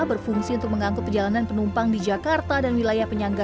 berfungsi untuk mengangkut perjalanan penumpang di jakarta dan wilayah penyangga